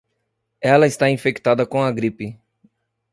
Ela está infectada com a gripe.